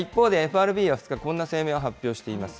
一方でＦＲＢは２日、こんな声明を発表しています。